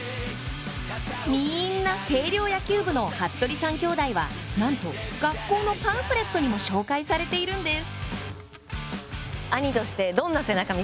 星稜野球部の服部３兄弟は何と学校のパンフレットにも紹介されているんです！